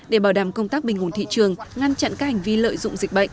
để bảo đảm công tác bình ổn thị trường ngăn chặn các hành vi lợi dụng dịch bệnh